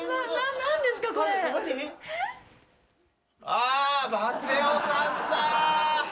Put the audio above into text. あバチェ男さんだ。